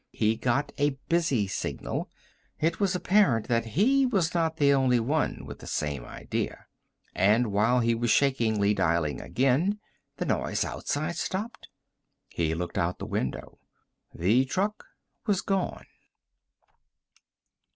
He got a busy signal it was apparent that he was not the only one with the same idea and while he was shakingly dialing again, the noise outside stopped. He looked out the window. The truck was gone.